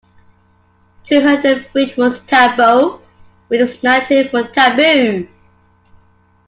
To her the bridge was tambo, which is the native for taboo.